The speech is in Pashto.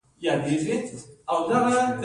چغلي کول اور بلول دي